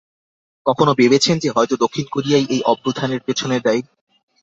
কখনো ভেবেছেন যে, হয়তো দক্ষিণ কোরিয়াই এই অভ্যুত্থানের পেছনে দায়ী?